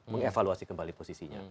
mengevaluasi kembali posisinya